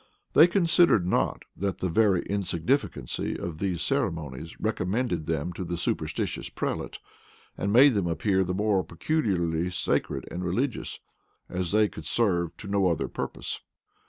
They considered not, that the very insignificancy of these ceremonies recommended them to the superstitious prelate, and made them appear the more peculiarly sacred and religious, as they could serve to no other purpose.